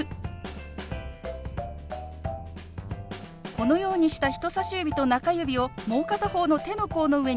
このようにした人さし指と中指をもう片方の手の甲の上にポンとのせます。